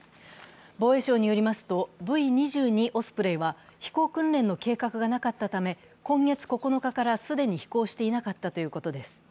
防衛省によりますと、Ｖ−２２オスプレイは、飛行訓練の計画がなかったため今月９日から飛行していなかったということです。